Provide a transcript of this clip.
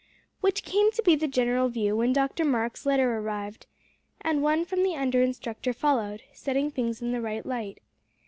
Which came to be the general view when Dr. Marks' letter arrived, and one from the under instructor followed, setting things in the right light.